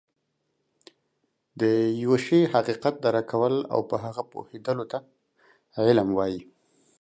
د يوه شي حقيقت درک کول او په هغه پوهيدلو ته علم وایي